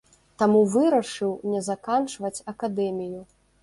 Таму вырашыў не заканчваць акадэмію.